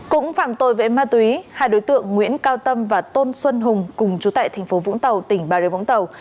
cũng phạm tội về ma túy hai đối tượng nguyễn cao tâm và tôn xuân hùng cùng chú tại tp vũng tàu tỉnh bà rếu vũng tàu